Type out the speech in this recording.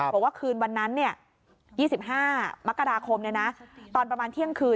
บอกว่าคืนวันนั้น๒๕มกราคมตอนประมาณเที่ยงคืน